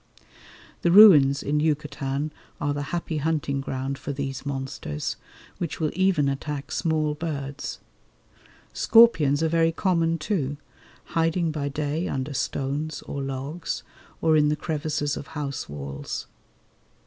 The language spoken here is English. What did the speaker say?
The ruins in Yucatan are the happy hunting ground for these monsters, which will even attack small birds. Scorpions are very common, too, hiding by day under stones or logs or in the crevices of house walls.